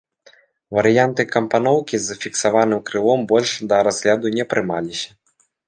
Варыянты кампаноўкі з фіксаваным крылом больш да разгляду не прымаліся.